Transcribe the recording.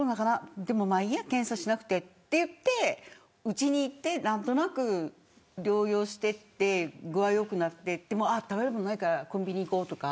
でも、まあいいや検査しなくてと言って家にいて、何となく療養して具合良くなって食べるものがないからコンビニに行こうとか。